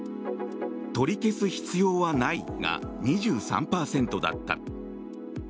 取り消す必要はないが２３％だった。